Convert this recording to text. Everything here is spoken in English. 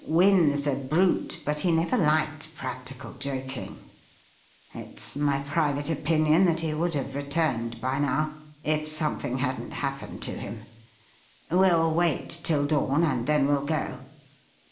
Wynne's a brute, but he never liked practical joking. It's my private opinion that he would have returned by now if something hadn't happened to him. We'll wait till dawn, and then we'll go.